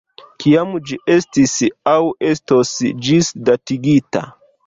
Kiam ĝi estis aŭ estos ĝisdatigita?